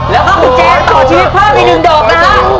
แล้วก็คุณแจนต่อชีวิตเพิ่มอีก๑โดกนะครับ